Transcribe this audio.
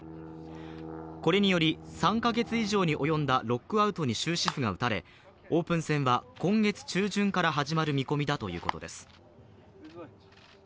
これにより３カ月以上に及んだロックアウトに終止符が打たれオープン戦は今月中旬から始まる見込みだということです。